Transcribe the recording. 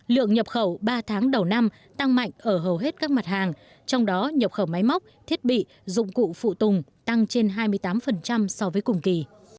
lượng nhập khẩu ba tháng đầu năm tăng mạnh ở hầu hết các mặt hàng trong đó nhập khẩu máy móc thiết bị dụng cụ phụ tùng tăng trên hai mươi tám so với cùng kỳ